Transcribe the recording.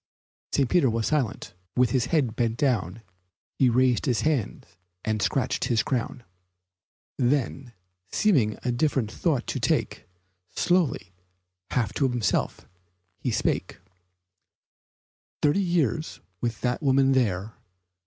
St. Peter was silent. With head bent down He raised his hand and scratched his crown; Then, seeming a different thought to take, Slowly, half to himself, he spake: "Thirty years with that woman there?